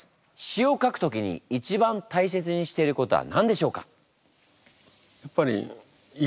詞を書く時に一番大切にしていることは何でしょうか？